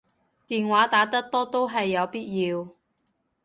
電話打得多都係有必要